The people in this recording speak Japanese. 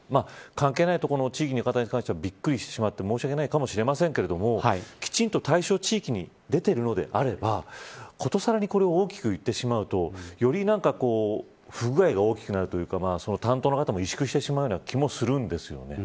関係ない所の地域の方に関してはびっくりして申し訳ないかもしれませんがきちんと対象地域に出てるのであればことさらにこれを大きく言ってしまうとより不具合が大きくなるというか担当の方も萎縮してしまうような気もするんですよね。